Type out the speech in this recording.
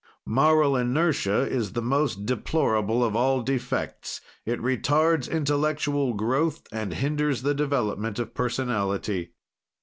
"Moral inertia is the most deplorable of all defects; it retards intellectual growth and hinders the development of personality.